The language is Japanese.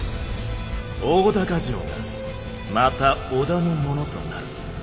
大高城がまた織田のものとなるぞ。